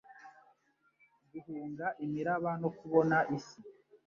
guhunga imiraba no kubona isi